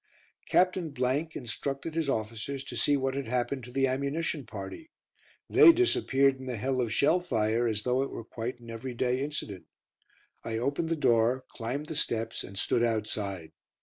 Captain instructed his officers to see what had happened to the ammunition party. They disappeared in the hell of shell fire as though it were quite an every day incident. I opened the door, climbed the steps, and stood outside.